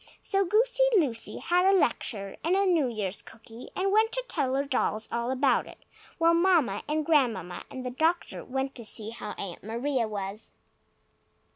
So Goosey Lucy had a lecture, and a New Year's cookie, and went to tell her dolls all about it, while Mamma and Grandmamma and the doctor went to see how Aunt Maria was.